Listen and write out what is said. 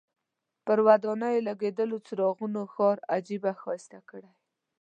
پر ودانیو لګېدلو څراغونو ښار عجیبه ښایسته کړی.